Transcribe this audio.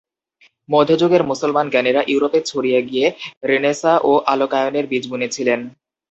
মধ্যযুগের মুসলমান জ্ঞানীরা ইউরোপে ছড়িয়ে গিয়ে রেনেসাঁ ও আলোকায়নের বীজ বুনেছিলেন।